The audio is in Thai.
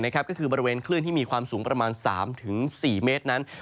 ก็คือบริเวณคลื่นที่มีความสูงประมาณ๓๔เมตรนั้น